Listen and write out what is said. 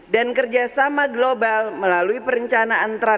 dan kerjasama global melalui perencanaan transisi energi terbaru